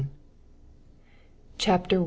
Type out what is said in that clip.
CHAPTER I.